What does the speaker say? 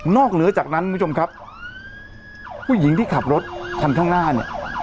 เหนือจากนั้นคุณผู้ชมครับผู้หญิงที่ขับรถคันข้างหน้าเนี่ย